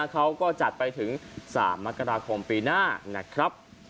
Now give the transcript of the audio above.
เขาก็จัดไปถึง๓มกราคมปีหน้านะครับ